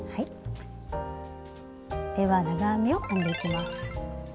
では長編みを編んでいきます。